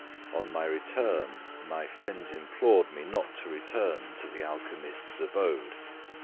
On my return, my friends implored me not to return to the alchymist's abode.